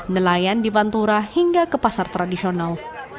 nelayan di pantura hingga ke pasar tradisional